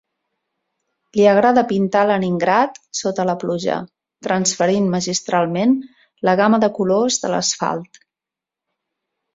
Li agrada pintar Leningrad sota la pluja, transferint magistralment la gamma de colors de l'asfalt.